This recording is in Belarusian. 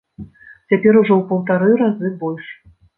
Цяпер ужо ў паўтара разы больш!